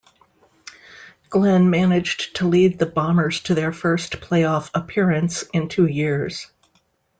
Glenn managed to lead the Bombers to their first playoff appearance in two years.